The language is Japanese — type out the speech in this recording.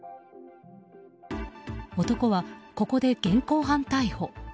男はここで現行犯逮捕。